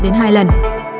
kê khưng đường